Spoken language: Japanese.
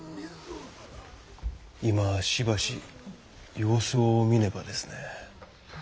今しばし様子を見ねばですね。